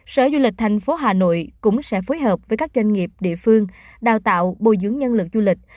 sở du lịch thành phố hà nội cũng sẽ phối hợp với các doanh nghiệp địa phương đào tạo bồi dưỡng nhân lực du lịch